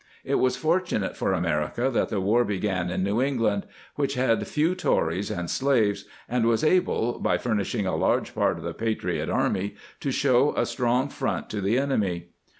It was fortunate for America that the war began in New England, which had few Tories and slaves, and was able, by furnishing a^ large part of the patriot army, to show a strong front to the enemy.